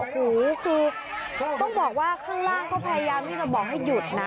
โอ้โหคือต้องบอกว่าข้างล่างก็พยายามที่จะบอกให้หยุดนะ